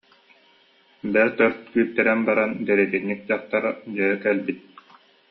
Бэрт өр күүттэрэн баран, дэриэтинньик дьахтар дьэ кэлбит